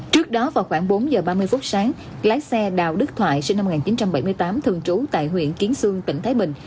trước đó vào khoảng bốn giờ ba mươi phút sáng lái xe đào đức thoại sinh năm một nghìn chín trăm bảy mươi tám thường trú tại huyện kiến sương tỉnh thái bình